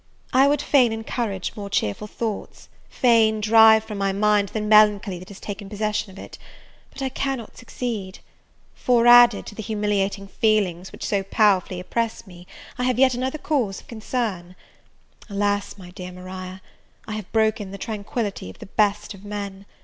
I would fain encourage more cheerful thoughts, fain drive from my mind the melancholy that has taken possession of it; but I cannot succeed: for, added to the humiliating feelings which so powerfully oppress me, I have yet another cause of concern; alas, my dear Maria, I have broken the tranquillity of the best of men!